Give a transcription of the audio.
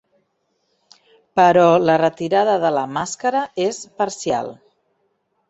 Però la retirada de la màscara és parcial.